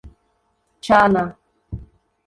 Chana